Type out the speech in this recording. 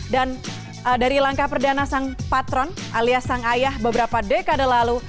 dan dari langkah perdana sang patron alias sang ayah beberapa dekade lalu